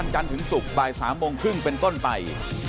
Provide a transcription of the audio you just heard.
ใช่